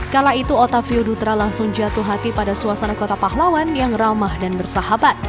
kala itu otavio dutra langsung jatuh hati pada suasana kota pahlawan yang ramah dan bersahabat